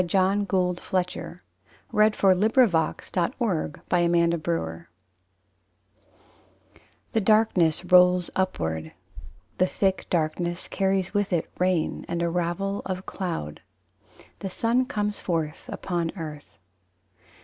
JOHN GOULD FLETCHER JOHN GOULD FLETCHER THE BLUE SYMPHONY I The darkness rolls upward. The thick darkness carries with it Rain and a ravel of cloud. The sun comes forth upon earth.